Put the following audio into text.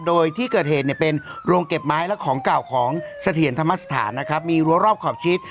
โดยที่เกิดเหตุเนี่ยเป็นโรงเก็บไม้และของเก่าของเสถียรธรรมสถานนะครับมีรั้วรอบขอบชิด